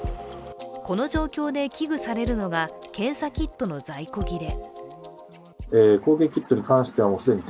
この状況で危惧されるのが検査キットの在庫切れ。